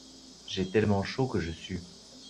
J'ai tellement chaud que je sue.